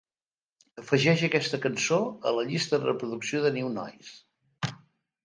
afegeix aquesta cançó a la llista de reproducció de New Noise.